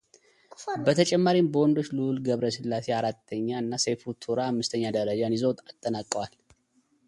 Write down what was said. በተጨማሪም በወንዶች ልዑል ገብረ ሥላሴ አራተኛ እና ሰይፉ ቱራ አምስተኛ ደረጃን ይዘው አጠናቀዋል፡፡